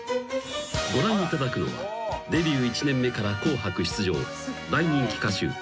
［ご覧いただくのはデビュー１年目から『紅白』出場］